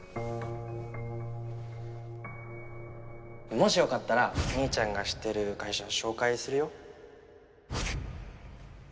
もしよかったら兄ちゃんが知ってる会ハァ。